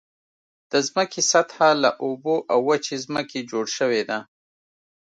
د ځمکې سطحه له اوبو او وچې ځمکې جوړ شوې ده.